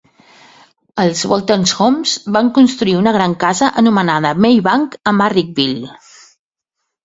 Els Wolstenholmes van construir una gran casa anomenada Maybanke a Marrickville.